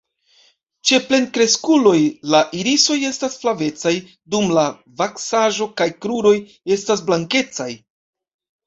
Ĉe plenkreskuloj la irisoj estas flavecaj, dum la vaksaĵo kaj kruroj estas blankecaj.